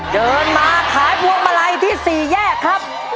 เดินมาขายพวงมาลัยที่๔แยกครับ